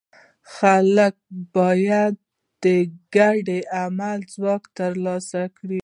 خلک باید د ګډ عمل ځواک ترلاسه کړي.